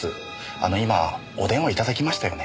あの今お電話頂きましたよね？